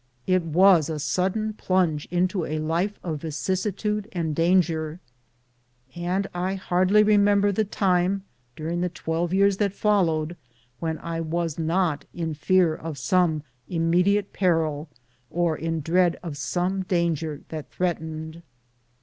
It was a sudden plunge into a life of vicissitude and danger, and I hardly remember the time during the twelve years that followed when I was not in fear of some immediate peril, or in dread of some danger that threatened.